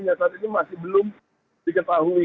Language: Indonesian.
nyata ini masih belum diketahui